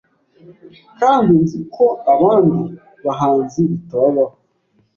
Kandi nzi ko abandi bahanzi bitababaho